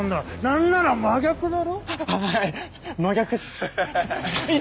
何なら真逆だろ？ははい。